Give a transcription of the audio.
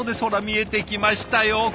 ほら見えてきましたよ